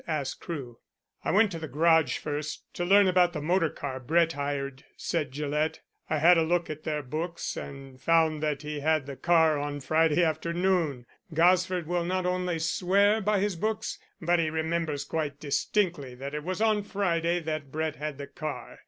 asked Crewe. "I went to the garage first to learn about the motor car Brett hired," said Gillett. "I had a look at their books, and found that he had the car on Friday afternoon. Gosford will not only swear by his books, but he remembers quite distinctly that it was on Friday that Brett had the car.